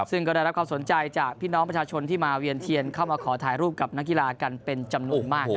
ซึ่งก็ได้รับความสนใจจากพี่น้องประชาชนที่มาเวียนเทียนเข้ามาขอถ่ายรูปกับนักกีฬากันเป็นจำนวนมาก